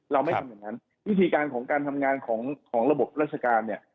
เราไม่ทำอย่างนั้นวิธีการของการทำงานของระบบราชการเนี่ย